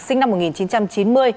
sinh năm một nghìn chín trăm chín mươi